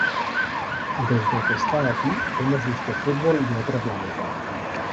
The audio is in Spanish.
Desde que está aquí, hemos visto fútbol de otro planeta".